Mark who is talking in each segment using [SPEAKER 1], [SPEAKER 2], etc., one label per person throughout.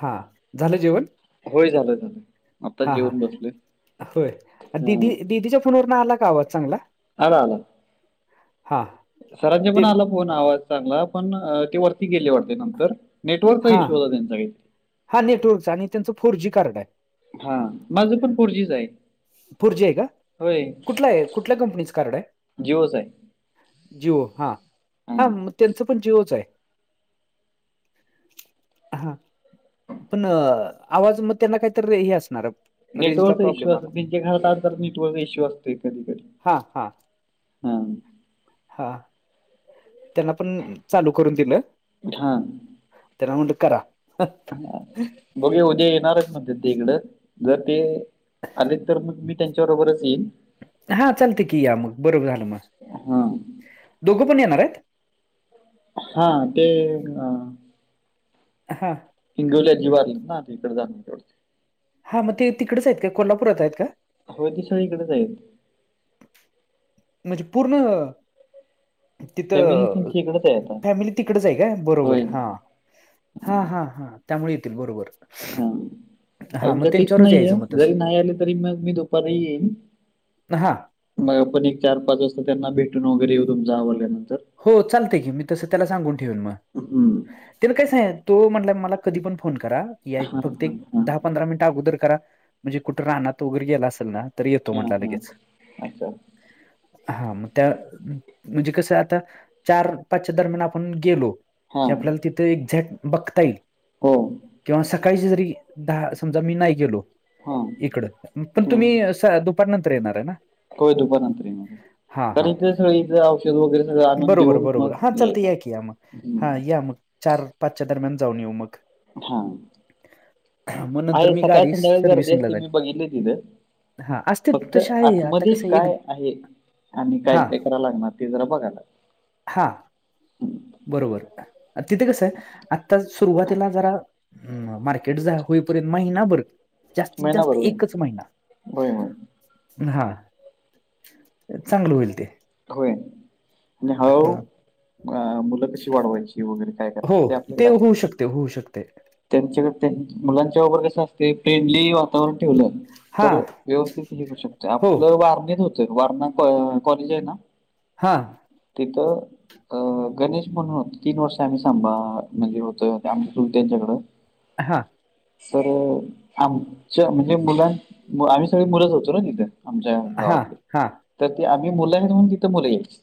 [SPEAKER 1] हा झालं जेवण?
[SPEAKER 2] होय झालं झालं आत्ताच
[SPEAKER 1] हा हा
[SPEAKER 2] जेवून बसले
[SPEAKER 1] होय
[SPEAKER 2] हं.
[SPEAKER 1] दिदी दिदीच्या फोनवरून आला का आवाज चांगला.
[SPEAKER 2] हा आला.
[SPEAKER 1] हा
[SPEAKER 2] सरांज पण आला फोन आवाज चांगला पण ते वरती गेले वाटते नंतर? नेटवर्कचा इश्यू होता त्यांचा काही.
[SPEAKER 1] हा नेटवर्कचा आणि त्यांचं फोर जी कार्ड आहे.
[SPEAKER 2] हा माझं पण फोर जी आहे.
[SPEAKER 1] पुरजी आहे का कुठलं आहे कुठल्या कंपनीचं कारड आहे?
[SPEAKER 2] जियो च आहे.
[SPEAKER 1] जिओ हा हा
[SPEAKER 2] हां
[SPEAKER 1] मग त्यांचं पण जिओच आहे. हा पण आवाज मग त्यांना काहीतरी हे असणार. रेंजला
[SPEAKER 2] नेटवर्कचा इश्यू
[SPEAKER 1] प्रॉब्लेम
[SPEAKER 2] असत
[SPEAKER 1] आला.
[SPEAKER 2] त्यांच्या घरात आड नेटवर्कचा इश्यू असतो कधी कधी.
[SPEAKER 1] हां,
[SPEAKER 2] हा
[SPEAKER 1] हा त्यांना पण चालू करून दिलं.
[SPEAKER 2] हा
[SPEAKER 1] तेरा म्हट करा.
[SPEAKER 2] बघे उद्या येणारच मणते ते इकड जर ते अले तर मग मी त्यांच्याबरोबरच येईन.
[SPEAKER 1] हा चालते की या मग बरोबर झालं मग
[SPEAKER 2] हां
[SPEAKER 1] दोघं पण येणार आहेत?
[SPEAKER 2] हा ते
[SPEAKER 1] हां
[SPEAKER 2] हिंगवल्या जीवारी ना तिककडे जाण
[SPEAKER 1] हा मग ते तिकडच आहेत का कोल्हापूरात आहेत का?
[SPEAKER 2] ह त सळी इकडे जा आहेत.
[SPEAKER 1] म्हणजे पूर्ण
[SPEAKER 2] फॅमिली
[SPEAKER 1] तिथं
[SPEAKER 2] तुमची इकडच आहे आता
[SPEAKER 1] फॅमिली तिकडच आहे काय बरोबर
[SPEAKER 2] होय
[SPEAKER 1] हा. हा हा हा त्यामुळे येतील बरोबर.
[SPEAKER 2] हा
[SPEAKER 1] हां मग
[SPEAKER 2] आमच्या फिक्स
[SPEAKER 1] त्यांच्यावरच
[SPEAKER 2] नाहीये
[SPEAKER 1] यायचं मग तसं
[SPEAKER 2] जरी नाही आले तरी मग मी दुपारी येईन.
[SPEAKER 1] हा
[SPEAKER 2] मग आपण एक चार पाच वाजता त्यांना भेटून वगैरे येऊ तुमचा आवडल्यानंतर.
[SPEAKER 1] हो चालते की मी तसं त्याला सांगून ठेवन मग
[SPEAKER 2] हम्म.
[SPEAKER 1] तिला काय सांग तो म्हटला मला कधी पण फोन करा. याय,
[SPEAKER 2] हां
[SPEAKER 1] फक्त
[SPEAKER 2] हां
[SPEAKER 1] एक
[SPEAKER 2] हां
[SPEAKER 1] दहा -पंधरा मिनिट अगोदर करा. म्हणजे, कुठं रानात वगैरे गेला असेल ना. तर येतो
[SPEAKER 2] हां
[SPEAKER 1] म्हणला
[SPEAKER 2] हां
[SPEAKER 1] लगेच.
[SPEAKER 2] अच्छा
[SPEAKER 1] हा मग त्या. म्हणजे, कसं आता. चार- पाचच्या दरम्यान आपण गेलो.
[SPEAKER 2] हां
[SPEAKER 1] की, आपल्याला तिथे एक्झॅक्ट बघता येईल.
[SPEAKER 2] हो.
[SPEAKER 1] किंवा सकाळचे जरी, दहा. समजा, मी नाही गेलो.
[SPEAKER 2] हा.
[SPEAKER 1] इकडं. पण तुम्ही, सर दुपार नंतर येणार आहे ना?
[SPEAKER 2] होय, दुपार नंतर येणारंय.
[SPEAKER 1] हां
[SPEAKER 2] कारण
[SPEAKER 1] हां
[SPEAKER 2] इथ स इथ औषध वगैरे. सगळं आणून
[SPEAKER 1] बरोबर,
[SPEAKER 2] देऊन
[SPEAKER 1] बरोबर. हा
[SPEAKER 2] मग
[SPEAKER 1] चालतय
[SPEAKER 2] यायचं
[SPEAKER 1] या की या मग.
[SPEAKER 2] हं.
[SPEAKER 1] हा या मग चार- पाचच्या दरम्यान, जाऊन येऊ मग.
[SPEAKER 2] हा.
[SPEAKER 1] मग नंतर
[SPEAKER 2] आहे
[SPEAKER 1] मी
[SPEAKER 2] सकाळ-
[SPEAKER 1] गाडी
[SPEAKER 2] संध्याकाळी गर्दी
[SPEAKER 1] सर्व्हिसिंगला
[SPEAKER 2] असते
[SPEAKER 1] जाईल
[SPEAKER 2] मी बघितलय तिथं.
[SPEAKER 1] हां असते
[SPEAKER 2] फक्त
[SPEAKER 1] तसे आहे आता
[SPEAKER 2] आतमध्ये
[SPEAKER 1] कसं एक
[SPEAKER 2] काय आहे? आणि काय- काय करायला लागणार. ते जरा बघा आता.
[SPEAKER 1] हा. बरोबर. तिथे कसं, आता सुरुवातीला जरा ह, मार्केट जा होईपर्यंत महिनाभर, जास्तीत- जास्त
[SPEAKER 2] महिनाभर होय
[SPEAKER 1] एकच महिना.
[SPEAKER 2] होय होय
[SPEAKER 1] हा. चांगलं होईल ते.
[SPEAKER 2] होय. आणि
[SPEAKER 1] हां
[SPEAKER 2] हळूहळू, मुलं कशी वाढवायची? वगैरे. काय
[SPEAKER 1] हो.
[SPEAKER 2] करायचं
[SPEAKER 1] ते होऊ शकतय. होऊ शकतय.
[SPEAKER 2] त्यांच्या क त्यान, मुलांच्या बरोबर कसं असते, फ्रेंडली वा वर ठेवलं,
[SPEAKER 1] हां
[SPEAKER 2] तर व्यवस्थित हे करू शकते.
[SPEAKER 1] हो
[SPEAKER 2] आपलं वारणीत होतं. ते वारणा का कॉलेजय ना?
[SPEAKER 1] हा.
[SPEAKER 2] तिथं अ गणेश म्हणून होत, तीन वर्ष आम्ही सांबा म्हणजे होतो आ तू त्यांच्याकडं.
[SPEAKER 1] हां.
[SPEAKER 2] तर, आमच्या म्हणजे मुलां आम्ही सगळी मुलंच होतो ना, तिथं. आमच्या
[SPEAKER 1] हां
[SPEAKER 2] गावातले.
[SPEAKER 1] हां
[SPEAKER 2] तर ते आम्ही मुलं आहेत म्हणून तिथं मुलं यायची.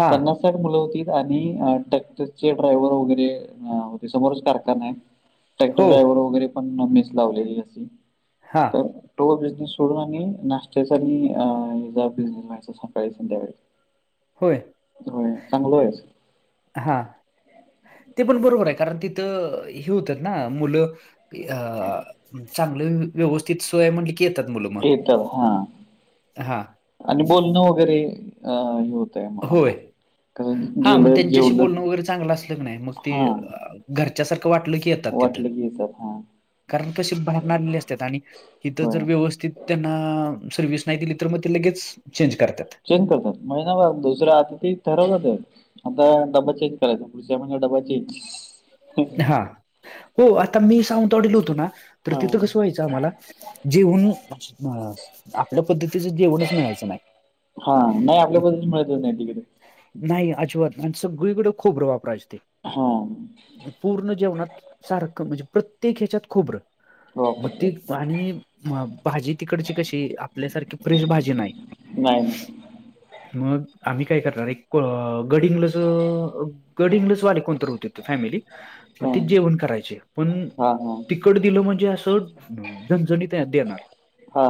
[SPEAKER 1] हां
[SPEAKER 2] पन्नास मुलं होती. आणि ट्रॅक्टरचे ड्रायव्हर वगैरे हा. हो ते समोरच कारखानाय. ट्रॅक्टर
[SPEAKER 1] हो
[SPEAKER 2] ड्रायव्हर वगैरे पण आम्हीच लावलेली असे.
[SPEAKER 1] हा.
[SPEAKER 2] तर, तो बिझनेस सोडून आम्ही, नाश्त्याचा आणि अ हेजा बिझनेस
[SPEAKER 1] होय
[SPEAKER 2] [unintelligible] [unintelligible] होय. चांगल व्हायचं.
[SPEAKER 1] हा. ते पण बरोबरय. कारण, तिथं हे होतात ना. मुलं अ चांगले व्यवस्थ स्थित सोय म्हणलं की, येतात मुल म.
[SPEAKER 2] येतात हा
[SPEAKER 1] हा.
[SPEAKER 2] आणि बोलणं वगैरे. अ हे होत
[SPEAKER 1] होय. हा मग त्यांच्याशी
[SPEAKER 2] जेवलं
[SPEAKER 1] बोलणं वगैरे चांगलं असलं कनाय मग ते
[SPEAKER 2] हा
[SPEAKER 1] घरच्या सारखं वाटलं की येतात तिथं.
[SPEAKER 2] वाटलं की येतात हां
[SPEAKER 1] कारण कसे बाहेरून आलेले असतात आणि ईथं जर
[SPEAKER 2] होय.
[SPEAKER 1] व्यवस्थित त्यांना, सर्व्हिस नाही दिली तर मग ते, लगेच चेंज करतात.
[SPEAKER 2] चेंज करतात. महिनाभर दुसर. आता ठरवलं ते आता डबा चेंज करायचा. पुढच्या म्हणजे डबा चेंज.
[SPEAKER 1] हा. हो आता मी सावंतवाडीला होतो ना, तर तिथं
[SPEAKER 2] हां.
[SPEAKER 1] कसं व्हायचं आम्हाला. जेवण, आपल्या पद्धतीचं जेवणच मिळायचं नाही.
[SPEAKER 2] हा. नाही आपल्या
[SPEAKER 1] मग
[SPEAKER 2] पद्धतीचं मिळतच नाही तिकडे.
[SPEAKER 1] नाही अजिबात. आणि सगळीकडे खोबरं वापरायचे ते.
[SPEAKER 2] हा.
[SPEAKER 1] पूर्ण जेवणात. सारखं म्हणजे, प्रत्येक ह्याच्यात खोबरं. म
[SPEAKER 2] वापरतात.
[SPEAKER 1] [unintelligible] पाणी. म भाजी तिकडची कशी, आपल्यासारखी फ्रेश भाजी नाही.
[SPEAKER 2] नाही नाही
[SPEAKER 1] मग आम्ही काय करणार एक गडिंग्लस गडिंग्लस वाले कोणत होते फॅमिली मग
[SPEAKER 2] हा
[SPEAKER 1] ते जेवण करायचे पण
[SPEAKER 2] हा
[SPEAKER 1] तिकड दिलं म्हणजे असं ह जनजणी ते देणार
[SPEAKER 2] हा हा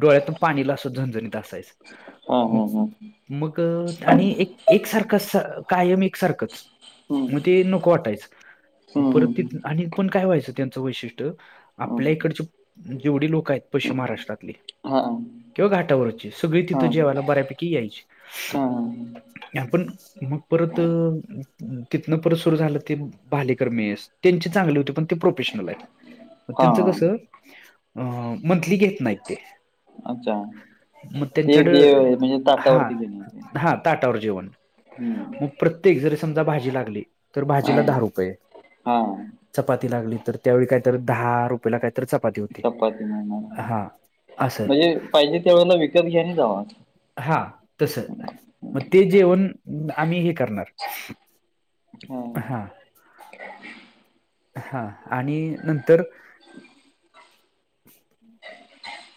[SPEAKER 1] डोळ्यातून पाणीला असं झणझणीत असायचं
[SPEAKER 2] हा
[SPEAKER 1] मग
[SPEAKER 2] हा हा
[SPEAKER 1] मग आणि एक एकसारखं कायम एकसारखंच
[SPEAKER 2] हम्म.
[SPEAKER 1] मग ते नको वाटायचं
[SPEAKER 2] हम्म
[SPEAKER 1] परत ति
[SPEAKER 2] हम्म
[SPEAKER 1] आणि पण काय व्हायचं त्यांचं वैशिष्ट्य आपल्या
[SPEAKER 2] हम्म
[SPEAKER 1] इकडचे जेवढे लोक आहेत पश्चिम महाराष्ट्रातले
[SPEAKER 2] हा हा
[SPEAKER 1] किंवा घाटावरची सगळी
[SPEAKER 2] हा
[SPEAKER 1] तिथं जेवायला बऱ्यापैकी यायची
[SPEAKER 2] हा
[SPEAKER 1] आपण मग परत तिथनं परत सुरू झालं ते भालीकर मेस त्यांचे चांगले होते पण ते प्रोफेशनल आहेतग त्यांचं
[SPEAKER 2] हा.
[SPEAKER 1] कसं अ मंथली घेत नाही ते
[SPEAKER 2] अच्छा
[SPEAKER 1] मग
[SPEAKER 2] ते
[SPEAKER 1] त्यांच्याड
[SPEAKER 2] देव म्हणजे
[SPEAKER 1] हा
[SPEAKER 2] ताटावरती घेणे.
[SPEAKER 1] हा ताटावर जेवण
[SPEAKER 2] हम्म
[SPEAKER 1] मग प्रत्येक जरी समजा भाजी लागली तर
[SPEAKER 2] हा
[SPEAKER 1] भाजीला दहा रुपये
[SPEAKER 2] हा
[SPEAKER 1] चपाती लागली तर त्यावेळी काय तर दहा रुपयाेला काय तर च
[SPEAKER 2] चपाती म्हणणार
[SPEAKER 1] असं
[SPEAKER 2] म्हणजे पाहिजे ते वेळेला विकत घ्यानी जाव
[SPEAKER 1] हा तस मग ते जेवण आम्ही हे करणार
[SPEAKER 2] हा अ
[SPEAKER 1] हा आणि नंतर
[SPEAKER 2] [unintelligible]
[SPEAKER 1] ह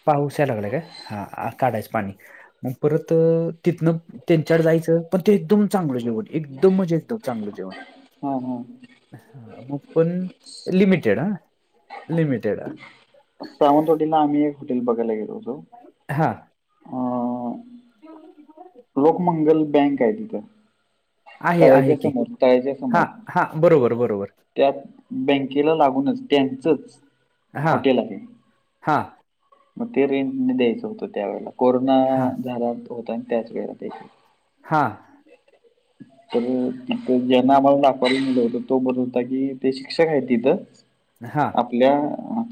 [SPEAKER 1] पाऊसायला लागले काय हा काढायचं पाणी मग परत तिथनं त्यांच्याड जायचं पण ते एकदम चांगलंचव एकदम मजा येतेतो चांगलं जेवण
[SPEAKER 2] हां हां
[SPEAKER 1] हण लिमिटेड ह लिमिटेड ह
[SPEAKER 2] सेवंत हटलला आम्ही एक हॉटे बघय गेलो होतो
[SPEAKER 1] हा
[SPEAKER 2] अं,
[SPEAKER 1] जेवती
[SPEAKER 2] लोकमंगल बँक आहे तिथं
[SPEAKER 1] आहे आहे
[SPEAKER 2] तळ्याच्या
[SPEAKER 1] की
[SPEAKER 2] समोर
[SPEAKER 1] हा हा बरोबर बरोबर
[SPEAKER 2] त्यात बँकेला लागूनच त्यांचंच
[SPEAKER 1] हा
[SPEAKER 2] हॉटेल आहे
[SPEAKER 1] हा
[SPEAKER 2] मग ते रीण द्यायचं होतं त्या वेळेला कोरोना
[SPEAKER 1] हां,
[SPEAKER 2] झाला होता आणि त्याच वेळेला द्यायचं होत
[SPEAKER 1] हा
[SPEAKER 2] तर तिथं ज्यांना आम्हाला दाखवायलं होतं तो बदल होता कि ते शिक्षक आहे तिथं
[SPEAKER 1] हा
[SPEAKER 2] ल्या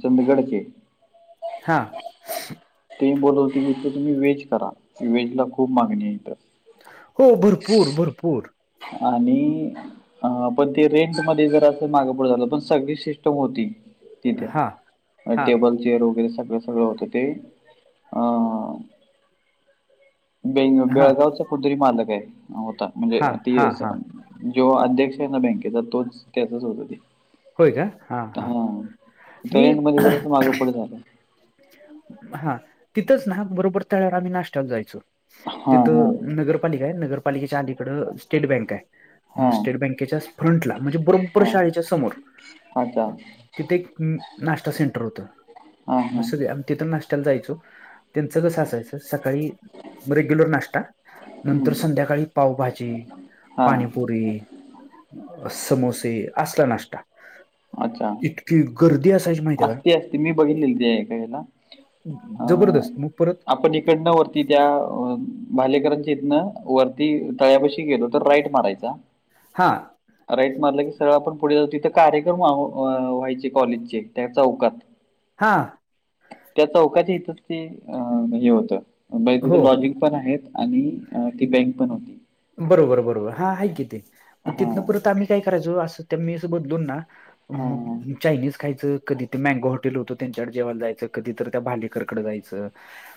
[SPEAKER 2] चंदगडके
[SPEAKER 1] हा
[SPEAKER 2] ते बोलत होते मीित तर तुम्ही वेहेज करा वेज ला खूप मागणी आहेथं
[SPEAKER 1] हो भरपूर भरपूर
[SPEAKER 2] आणि ह पण ते रेंटमध्येध्ये जर असं मागं पड झालं पण सगळी सिस्टम होती तिथे
[SPEAKER 1] हां, हां,
[SPEAKER 2] टेबल चेअर वगैरे सगळं सगळं होतं ते अ बे
[SPEAKER 1] हां,
[SPEAKER 2] बेळगावचा कुदरी मालक आहे होता म्हणजे
[SPEAKER 1] हां,
[SPEAKER 2] ती
[SPEAKER 1] हां, हां.
[SPEAKER 2] जो अध्यक्ष आहे ना बँकेचा तोच त्याचाच होत हो
[SPEAKER 1] होय का? हां, हां.
[SPEAKER 2] हा
[SPEAKER 1] मी
[SPEAKER 2] त्याेंड मध्ये जरा मागे पुढे झालं.
[SPEAKER 1] हा तिथंच नाक बरोबर तळवर आम्ही नाश््याला जायचो.
[SPEAKER 2] हा हा
[SPEAKER 1] तिथं नगरपालिका आहे नगरपालिकेच्या आधकड. स्टेट बँक आहे
[SPEAKER 2] हा
[SPEAKER 1] मग स्टेट बँकेच्या फ्रंटला म्हणजे बरोबर
[SPEAKER 2] हा
[SPEAKER 1] शाळेच्या समोर
[SPEAKER 2] अच्छा.
[SPEAKER 1] तिथे एक नाश्ता सेंटर होतं.
[SPEAKER 2] हा
[SPEAKER 1] म
[SPEAKER 2] हा
[SPEAKER 1] सग आ तिथं नाश्त्याला जायचो त्यांचं कसं असायचं सकाळी रेग्युलर नाश्ता
[SPEAKER 2] हम्म
[SPEAKER 1] नंतर संध्याकाळी पावभाजी
[SPEAKER 2] हा
[SPEAKER 1] पाणी पुरी समोसे असला नाश्ता.
[SPEAKER 2] अच्छा.
[SPEAKER 1] इतकी गर्दी असायची माहिती आहे का?
[SPEAKER 2] असते असते मी बघितलेला
[SPEAKER 1] का जबरदस्त मग परत
[SPEAKER 2] आपण इकड व ती त्या भालेकरांची हथनं वरती तळ्यापाशी गेलो तर राईट मारायचा.
[SPEAKER 1] हा.
[SPEAKER 2] राईट मारलं की सरळ आपण पुढे जाऊ तिथं कार्यक्रम व्हायचे कॉलेजचे त्या चौकात
[SPEAKER 1] हा.
[SPEAKER 2] त्या चौकाच्या इथच ते हे होतं बाई तिचं
[SPEAKER 1] हो
[SPEAKER 2] लॉजिक पण आहेत आणि ती बँक पण होती.
[SPEAKER 1] बरोबर बरोबर हा आहे की ते मग
[SPEAKER 2] हां
[SPEAKER 1] तिथनं
[SPEAKER 2] हां
[SPEAKER 1] परत आम्ही काय करायचो असं त्या मेस बदलून ना.
[SPEAKER 2] हां
[SPEAKER 1] मग चायनीज खायचं कधी ते मॅगो होत त्यांच्याकडे जेवायला जायचं कधी तर त्या भालेकरकडे जायचं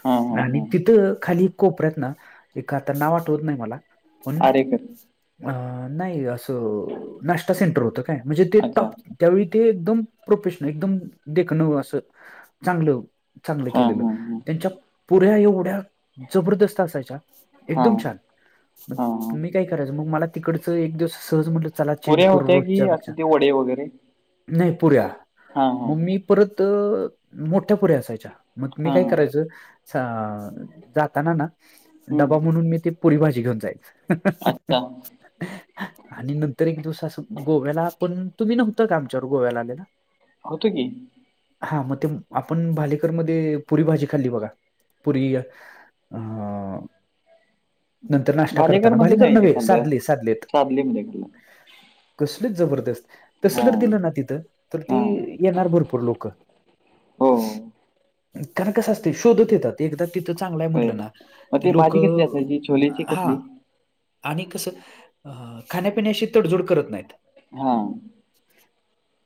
[SPEAKER 2] हां हां
[SPEAKER 1] आणि
[SPEAKER 2] हां
[SPEAKER 1] तिथं खाली. कोपऱ्यात ना एख पण आता नाव आठवत नाही मला पण
[SPEAKER 2] आरेकर
[SPEAKER 1] नाही अस. नाश्ता सेंटर होत काय म्हणजे ते
[SPEAKER 2] अच्छा
[SPEAKER 1] टॉप त्यावेळी ते एकदम प्रोफेशनल एकदम देख न असं चांगलं. चांगलं
[SPEAKER 2] हां
[SPEAKER 1] केलेलं
[SPEAKER 2] हां हां
[SPEAKER 1] त्यांच्या पुऱ्या एवढ्या जबरदस्त असायच्या
[SPEAKER 2] हां
[SPEAKER 1] एकदम छान. मग
[SPEAKER 2] हां हां
[SPEAKER 1] मी काय करायचं मग मला तिकडचं एक दिवस सहज म्हटलं. चला चेंज
[SPEAKER 2] पुऱ्या होत्या की
[SPEAKER 1] करूच्यापेक्षा
[SPEAKER 2] असे ते वडे वगैरे
[SPEAKER 1] नाही पुऱ्या
[SPEAKER 2] हां हां
[SPEAKER 1] मग मी परत मोठ्या पुऱ्या असायच्या. मग मी
[SPEAKER 2] हा
[SPEAKER 1] काय करायचं जाताना ना डबा
[SPEAKER 2] हम्म.
[SPEAKER 1] म्हणून मी ते पुरी भाजी घेऊन
[SPEAKER 2] अच्छा
[SPEAKER 1] जाईच. आणि नंतर एक दिवस असं गोव्याला पण तुम्ही नव्हता का आमच्यावर गोव्याला आलेला.
[SPEAKER 2] होतो की
[SPEAKER 1] हा मग ते आपण भालेकर मध्ये पुरी भाजी खाल्ली बघा पुरी हा नंतर ना. करताना
[SPEAKER 2] मध्ये
[SPEAKER 1] भालेकर
[SPEAKER 2] नाही ते
[SPEAKER 1] नव्हे
[SPEAKER 2] खाल्लं
[SPEAKER 1] साधले साधलेत.
[SPEAKER 2] सादली मध्ये खाल्लं
[SPEAKER 1] कसलीच जबरदस्त तस
[SPEAKER 2] हा
[SPEAKER 1] जर दिलं ना तिथं तर ती
[SPEAKER 2] हा
[SPEAKER 1] येणार भरपूर लोक.
[SPEAKER 2] हो
[SPEAKER 1] काण कस असते शोधत येतात. ते एकदा तिथं चांगलंय
[SPEAKER 2] होय
[SPEAKER 1] म्हटलं ना
[SPEAKER 2] मग
[SPEAKER 1] की
[SPEAKER 2] ते
[SPEAKER 1] लोक
[SPEAKER 2] भाजी कसली असायची छोलेची
[SPEAKER 1] हा.
[SPEAKER 2] कसली
[SPEAKER 1] आणि कसं अ खाण्यापिण्याशी तडजोड करत नाहीत
[SPEAKER 2] हा.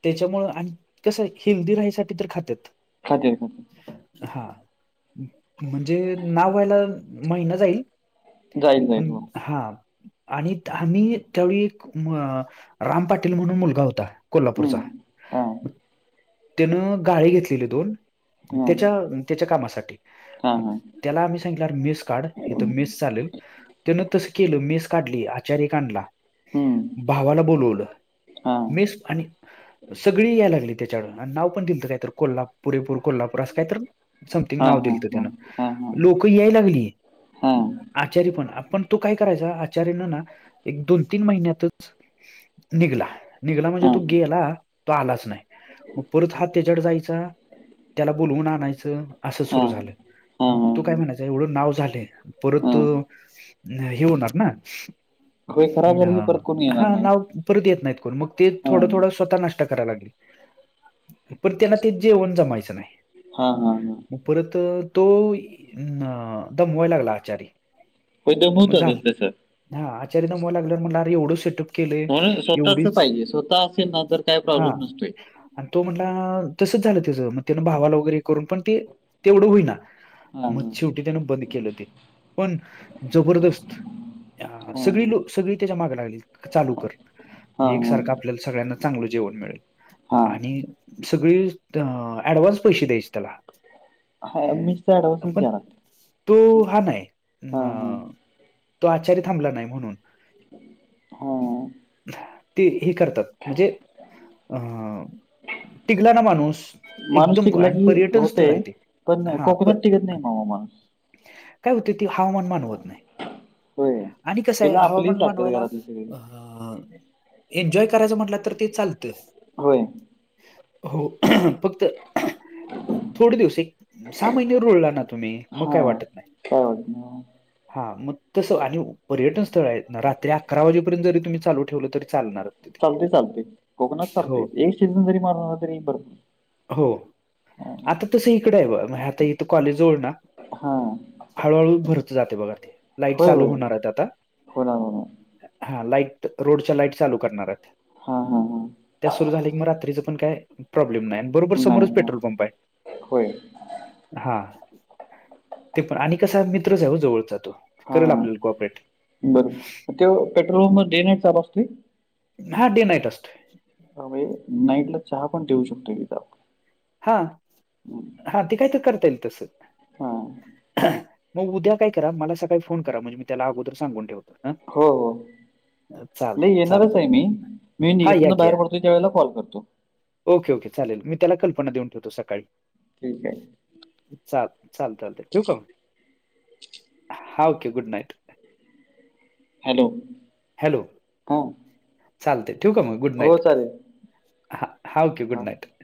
[SPEAKER 1] त्याच्यामुळ आणि कसं हेल्दी राहायसाठी तर खात्यात.
[SPEAKER 2] खातंय मंग
[SPEAKER 1] हा म्हणजे नाव व्हायला महिना जाईल.
[SPEAKER 2] जाईल जाईल
[SPEAKER 1] पण
[SPEAKER 2] हो
[SPEAKER 1] हा. आणि आम्ही त्यावेळी एक राम पाटील म्हणून मुलगा होता. कोल्हापूरचा
[SPEAKER 2] हम्म. हा
[SPEAKER 1] त्यानं गाळे घेतलेली दोन
[SPEAKER 2] हा
[SPEAKER 1] त्याच्या त्याच्या कामासाठी
[SPEAKER 2] हा
[SPEAKER 1] मग
[SPEAKER 2] हा
[SPEAKER 1] त्याला आम्ही सांगितलं मेस काढ हित मेस चालेल. त्यानं तसं केलं मेस काढली आचारी एक आणला
[SPEAKER 2] हम्म.
[SPEAKER 1] भावाला बोलवलं.
[SPEAKER 2] हा
[SPEAKER 1] मेस आणि सगळी याय लागली त्याच्याकंड आणि नाव पण दिलंत काय तर कोल्हा पुरेपूर कोल्हापूर असं कायतर समथिंग
[SPEAKER 2] हा
[SPEAKER 1] नाव
[SPEAKER 2] हा
[SPEAKER 1] दिल तर
[SPEAKER 2] हा
[SPEAKER 1] त्यांना
[SPEAKER 2] हा हा
[SPEAKER 1] लोक याय लागली
[SPEAKER 2] हा हा हा
[SPEAKER 1] आचारी पण पण तो काय करायचा आचारीना एक दोन तीन महिन्यातच निघला. निघला म्हणजे तू गेला तो आलाच नाही मग परत हा त्याच्याकड जायचा. त्याला बोलवून आणायचं असं
[SPEAKER 2] हा
[SPEAKER 1] सुरू झालं मग
[SPEAKER 2] हा
[SPEAKER 1] तू काय म्हणायचं एवढं नाव झाले.
[SPEAKER 2] हा
[SPEAKER 1] परत अं, हे होणार ना
[SPEAKER 2] होय खराब झालं की
[SPEAKER 1] हा
[SPEAKER 2] परत कोणी येणार
[SPEAKER 1] हा
[SPEAKER 2] नाही
[SPEAKER 1] नाव परत येत नाहीत कोण मग ते
[SPEAKER 2] हा
[SPEAKER 1] थोडं थोडं स्वतः नाष्टा कराय लागेल. पण त्यांना ते जेवण जमायचं
[SPEAKER 2] हा हा हा
[SPEAKER 1] नाही. परत तो दमवाय लागला आचारी
[SPEAKER 2] हो दम
[SPEAKER 1] मग
[SPEAKER 2] होतच
[SPEAKER 1] झालं
[SPEAKER 2] त्यासं
[SPEAKER 1] हा आचारी दमावय लागल्यावर म्हणलं आरे एवढं सेटअप केलंय
[SPEAKER 2] म्हणून स्वतःच
[SPEAKER 1] एवढीच
[SPEAKER 2] पाहिजे स्वतः असेल ना तर काय
[SPEAKER 1] हा
[SPEAKER 2] प्रॉब्लेम नसतोय.
[SPEAKER 1] आणि तो म्हटला तसंच झालं त्याच मग त्यानं भावाला वगैरे करून पण ते तेवढं होईना.
[SPEAKER 2] हा
[SPEAKER 1] मग शेवटी त्यान बंद केलं ते पण जबरदस्त अ
[SPEAKER 2] हा
[SPEAKER 1] सगळी लोकं सगळी त्याच्या मागे लागली चालू कर म्हणे
[SPEAKER 2] हा
[SPEAKER 1] एकसारखा आपल्याला सगळ्यांना चांगलं जेवण मिळेल
[SPEAKER 2] हा
[SPEAKER 1] आणि सगळी अऍडवान्स पैसे द्यायचे त्याला
[SPEAKER 2] हा मिसचा ऍडव्हान्सच
[SPEAKER 1] पण
[SPEAKER 2] घ्या लागतो
[SPEAKER 1] तो हा नाही
[SPEAKER 2] हा हा
[SPEAKER 1] अ. तो आचार्य थांबला नाही म्हणून
[SPEAKER 2] हा.
[SPEAKER 1] ते हे करतात म्हणजे टिकला ना माणूस
[SPEAKER 2] माणूस
[SPEAKER 1] एकदम
[SPEAKER 2] टिकला
[SPEAKER 1] कारण
[SPEAKER 2] की
[SPEAKER 1] पर्यटन स्थळ आहे
[SPEAKER 2] होतंय
[SPEAKER 1] ते
[SPEAKER 2] पण
[SPEAKER 1] हा प
[SPEAKER 2] कोकणात टीकतं नाही माव मग
[SPEAKER 1] काय होते ते हवामान मानवत नाही
[SPEAKER 2] होय
[SPEAKER 1] आणि कसं आहे
[SPEAKER 2] त्याला आपलीच
[SPEAKER 1] हवामान
[SPEAKER 2] लागतात
[SPEAKER 1] मानवायला.
[SPEAKER 2] घरातली सगळी
[SPEAKER 1] अ एन्जॉय करायचं म्हटलं तर ते चालतं.
[SPEAKER 2] होय.
[SPEAKER 1] हो फक्त तर थोडे दिवस एक सहा महिने रुळला ना तुम्ही मग
[SPEAKER 2] हा
[SPEAKER 1] काय वाटत नाही.
[SPEAKER 2] काय वाट.
[SPEAKER 1] हा मग तसं आणि पर्यटन स्थळ आहेत ना रात्री अकरा वाजेपर्यंत जरी तुम्ही चालू ठेवलं तरी चालणार. तिथे
[SPEAKER 2] चालते चालते कोकनात
[SPEAKER 1] हो
[SPEAKER 2] चालते एक सीझन जरी मारला ना तरी बर.
[SPEAKER 1] हो आता तस इकडं आहे ब आता इथ कॉलेज जवळ ना.
[SPEAKER 2] हा.
[SPEAKER 1] हळूहळू भरत जाते बघा ते लाईट
[SPEAKER 2] होय
[SPEAKER 1] चालू
[SPEAKER 2] होय
[SPEAKER 1] होणार आहेत आता
[SPEAKER 2] होणार होणार
[SPEAKER 1] हा लाईट रोडच्या लाईट चालू करणार आहेत.
[SPEAKER 2] हा हा. हा
[SPEAKER 1] त्या सुरू झाल्या की मग रात्रीच पण काय प्रॉब्लेम नाही आणि बरोबर
[SPEAKER 2] नाही
[SPEAKER 1] समोरच पेट्रोल
[SPEAKER 2] होणार
[SPEAKER 1] पंप आहे.
[SPEAKER 2] होय
[SPEAKER 1] हा ते पण आणि कसा मित्र जाऊ जवळचा तो
[SPEAKER 2] हा
[SPEAKER 1] करेल आपल्याला कॉपरेट
[SPEAKER 2] बर ते पेट्रोल देण्या चा ब असते.
[SPEAKER 1] हा डे नईट असे.
[SPEAKER 2] त्या नाईट ला चहा पण देऊ शकतो एकदा
[SPEAKER 1] हा हा ते काय तर करता येईल तस.
[SPEAKER 2] हा
[SPEAKER 1] मग उद्या काय करा मला सकाळी फोन करा म्हणजे मी त्याला अगोदर सांून ठेवतो. हां
[SPEAKER 2] हो हो.
[SPEAKER 1] चाल
[SPEAKER 2] नाही येणारच
[SPEAKER 1] चालतं
[SPEAKER 2] आहे मी मी
[SPEAKER 1] हा या
[SPEAKER 2] हीतन
[SPEAKER 1] की
[SPEAKER 2] बाहेर
[SPEAKER 1] या
[SPEAKER 2] पडतो त्या वेळेला कॉल करतो.
[SPEAKER 1] ओके ओके चालेल मी त्याला कल्पना देऊन ठेवतो सकाळी
[SPEAKER 2] ठीक आहे.
[SPEAKER 1] चाल चाल चालते ठेक आहे म हा okay good night.
[SPEAKER 2] Hello.
[SPEAKER 1] Hello,
[SPEAKER 2] हां
[SPEAKER 1] चालत ठीक आहे मग? गुड
[SPEAKER 2] हो
[SPEAKER 1] नाईट
[SPEAKER 2] चालेल
[SPEAKER 1] हा हा ओके गुड
[SPEAKER 2] हां
[SPEAKER 1] नाईट.